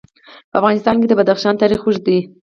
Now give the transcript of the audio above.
په افغانستان کې د بدخشان تاریخ اوږد دی.